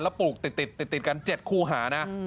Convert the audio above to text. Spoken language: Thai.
ปลูกติดกัน๗คู่หานะ